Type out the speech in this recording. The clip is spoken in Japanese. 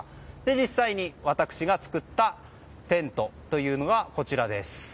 実際に、私が作ったテントというのがこちらです。